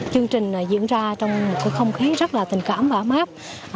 chương trình diễn ra trong không khí rất là tình cảm và ám áp